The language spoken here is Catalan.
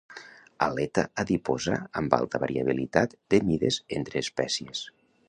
Aleta adiposa amb alta variabilitat de mides entre espècies.